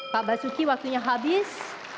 pak basuki waktunya habis